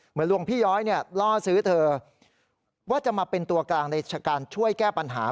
หลวงพี่ย้อยล่อซื้อเธอว่าจะมาเป็นตัวกลางในการช่วยแก้ปัญหา